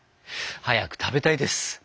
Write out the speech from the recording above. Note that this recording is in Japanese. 早く食べたいです。